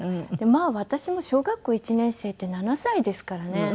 私も小学校１年生って７歳ですからね。